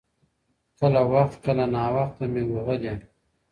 کله وخت کله ناوخته مي وهلی .